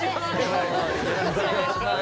よろしくお願いします。